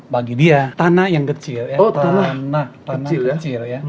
bagi dia tanah yang kecil ya tanah tanah kecil ya